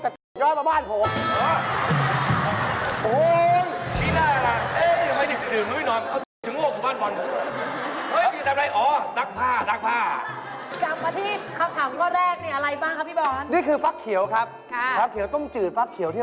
เอ้าก็เบียวพี่ตีนี่นี่